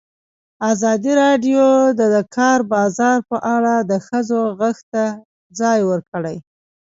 ازادي راډیو د د کار بازار په اړه د ښځو غږ ته ځای ورکړی.